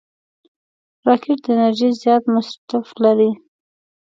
راکټ د انرژۍ زیات مصرف لري